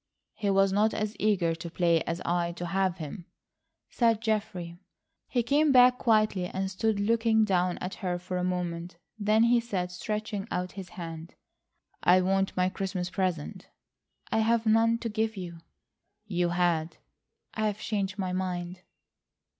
"He was not as eager to play as I to have him," said Geoffrey. He came back quietly, and stood looking down at her for a moment. Then he said, stretching out his hand: "I want my Christmas present." "I have none to give you." "You had." "I've changed my mind."